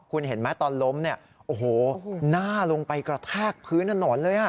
คุณเห็นไหมตอนล้มเนี่ยโอ้โหหน้าลงไปกระแทกพื้นถนนเลย